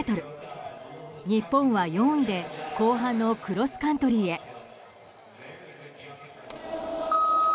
日本は４位で後半のクロスカントリーへ。